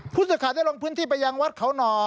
ผู้สุดขาดได้ลงพื้นที่ไปยังวัดเขาน